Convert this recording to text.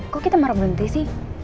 kok kita marah berhenti sih